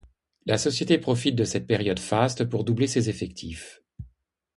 La société profite de cette période faste pour doubler ses effectifs.